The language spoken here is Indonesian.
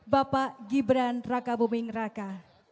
bapak gibran raka buming raka